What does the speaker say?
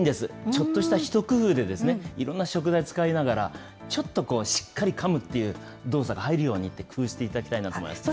ちょっとした一工夫でいろんな食材を使いながら、ちょっとしっかりかむという動作が入るように、工夫していただきたいなと思います。